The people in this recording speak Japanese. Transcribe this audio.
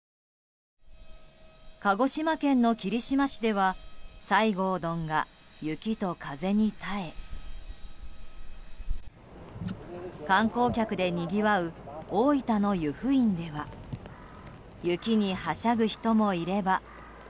鹿児島県の霧島市では西郷どんが雪と風に耐え観光客でにぎわう大分の湯布院では雪にはしゃぐ人もいれば。